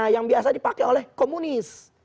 yang biasa dipakai oleh komunis